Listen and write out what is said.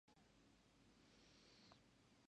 赤巻紙、青巻紙、黄巻紙を混ぜ合わせて巻きます